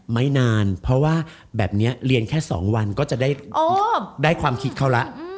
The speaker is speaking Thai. ไม่นานเพราะว่าแบบนี้เรียนแค่๒วันก็จะได้ความคิดเขาแล้ว